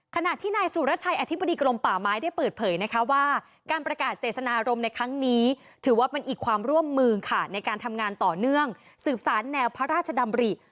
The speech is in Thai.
ขณะที่นายสุรชัยอธิบดีกรมป่าไม้ได้เปิดเผยนะคะว่าการประกาศเจตนารมณ์ในครั้งนี้ถือว่าเป็นอีกความร่วมมือค่ะในการทำงานต่อเนื่องสืบสารแนวพระราชดำริ